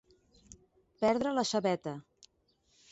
Perdre la xaveta.